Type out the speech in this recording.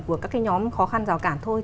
của các nhóm khó khăn giao cản thôi